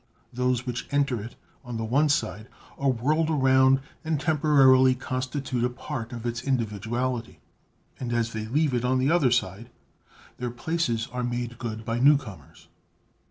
Those which enter it on the one side are whirled around and temporarily constitute a part of its individuality; and as they leave it on the other side, their places are made good by newcomers.